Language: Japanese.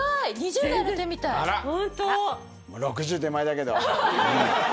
６０手前だけど。